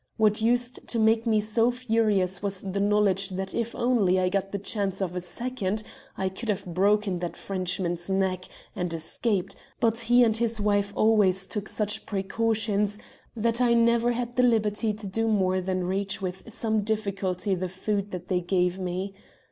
What used to make me so furious was the knowledge that if only I got the chance of a second I could have broken that Frenchman's neck and escaped, but he and his wife always took such precautions that I never had the liberty to do more than reach with some difficulty the food that they gave me.